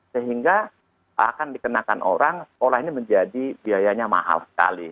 sehingga akan dikenakan orang sekolah ini menjadi biayanya mahal sekali